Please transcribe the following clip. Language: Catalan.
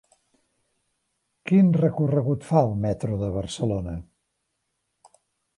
Quin recorregut fa el metro de Barcelona?